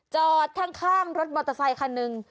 จอดข้างรถมอเตอร์ไซคันหนึ่ง